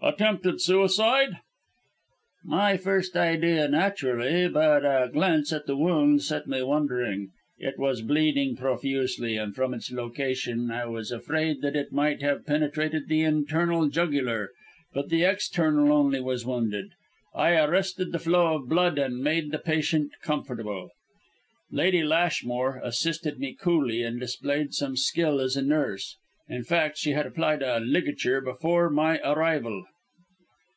Attempted suicide?" "My first idea, naturally. But a glance at the wound set me wondering. It was bleeding profusely, and from its location I was afraid that it might have penetrated the internal jugular; but the external only was wounded. I arrested the flow of blood and made the patient comfortable. Lady Lashmore assisted me coolly and displayed some skill as a nurse. In fact she had applied a ligature before my arrival."